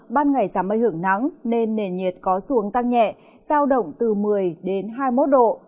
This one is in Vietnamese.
ban ngày giảm mây hưởng nắng nên nền nhiệt có xuống tăng nhẹ giao động từ một mươi đến hai mươi một độ